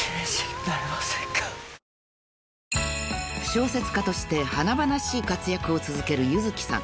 ［小説家として華々しい活躍を続ける柚月さん］